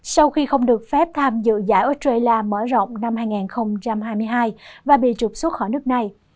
sau khi không được phép tham dự giải australia mở rộng năm hai nghìn hai mươi hai và bị trục xuất khỏi nước này